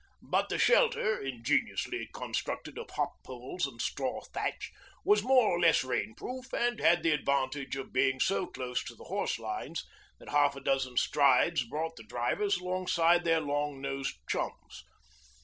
But the shelter, ingeniously constructed of hop poles and straw thatch, was more or less rain proof, and had the advantage of being so close to the horse lines that half a dozen strides brought the drivers alongside their 'long nosed chums.'